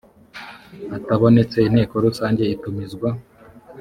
atabonetse inteko rusange itumizwa